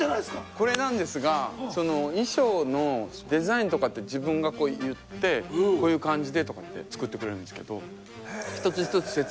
これなんですが衣装のデザインとかって自分が言ってこういう感じでとかって作ってくれるんですけど一つ一つ説明します？